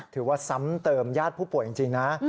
ถือว่าซ้ำเติมญาติผู้ป่วยจริงนะ